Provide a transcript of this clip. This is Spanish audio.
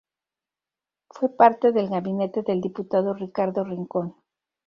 Fue parte del gabinete del diputado Ricardo Rincón.